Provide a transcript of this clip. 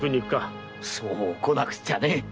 そうこなくちゃね。